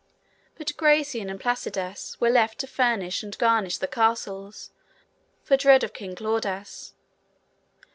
But Gracian and Placidas were left to furnish and garnish the castles, for dread of King Claudas.